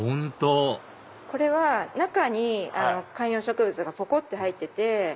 本当これは中に観葉植物がぽこって入ってて。